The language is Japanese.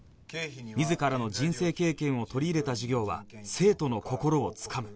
自らの人生経験を取り入れた授業は生徒の心をつかむ